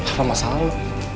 apa masalah lo